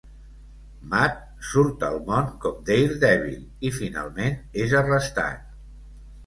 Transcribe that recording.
Matt surt al món com Daredevil i finalment és arrestat.